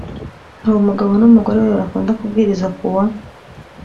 Hari umugabo n umugore we bakunda kubwiriza kuwa